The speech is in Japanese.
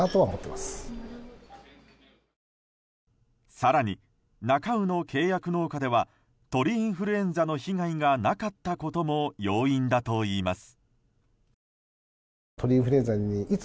更に、なか卯の契約農家では鳥インフルエンザの被害がなかったことも要因だといいます。